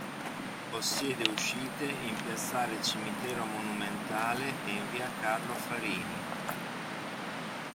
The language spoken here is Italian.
Possiede uscite in piazzale Cimitero Monumentale e in via Carlo Farini.